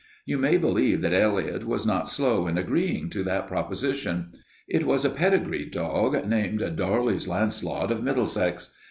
You may believe that Elliot was not slow in agreeing to that proposition. It was a pedigreed dog, named Darley's Launcelot of Middlesex.